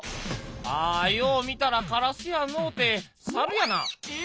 あよう見たらからすやのうてさるやな」。